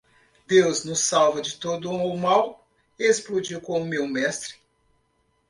Deus nos salva de todo o mal e explodiu com meu mestre.